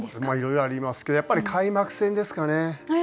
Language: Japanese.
まあいろいろありますけどやっぱり開幕戦ですかね。